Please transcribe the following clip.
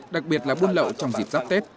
đặc biệt là buôn lậu trong dịp dắp tết